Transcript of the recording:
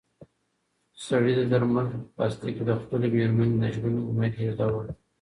سړي د درملو په پلاستیک کې د خپلې مېرمنې د ژوند امید لېږداوه.